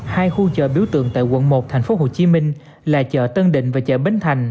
hai khu chợ biểu tượng tại quận một thành phố hồ chí minh là chợ tân định và chợ bến thành